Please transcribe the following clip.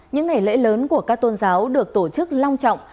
những ngày lễ lớn của các tôn giáo được tổ chức long trọng